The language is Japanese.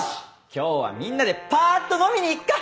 今日はみんなでパっと飲みに行くか！